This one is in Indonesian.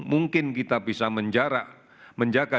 mungkin kita bisa menjaga jarak kita dalam berkomunikasi dengan orang lain